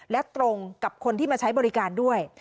และตรงกับคนที่มาใช้บริการด้วย